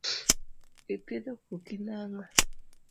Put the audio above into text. Ipidho koki nang’o?